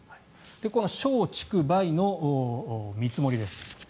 この松竹梅の見積もりです。